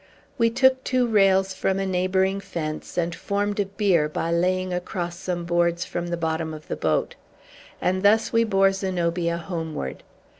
We took two rails from a neighboring fence, and formed a bier by laying across some boards from the bottom of the boat. And thus we bore Zenobia homeward.